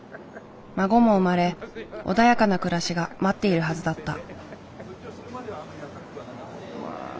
孫も生まれ穏やかな暮らしが待っているはずだった。